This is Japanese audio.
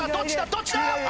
どっちだー！？